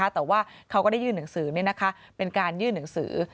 แต่ว่าเขาก็ได้ยื่นหนังสือเป็นการยื่นหนังสือ